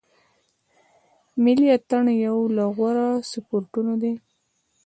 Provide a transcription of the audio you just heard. ملي اټن یو له غوره سپورټو دی.